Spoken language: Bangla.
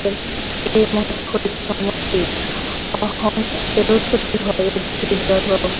এই মহৎ হইতে সমষ্টি অহংতত্ত্বের উৎপত্তি হয়, এই দুইটিই জড় বা ভৌতিক।